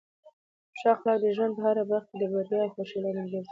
ښه اخلاق د ژوند په هره برخه کې د بریا او خوښۍ لامل ګرځي.